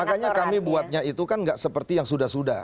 makanya kami buatnya itu kan nggak seperti yang sudah sudah